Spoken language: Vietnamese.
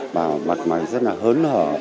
và mặt mặt rất là hớn hở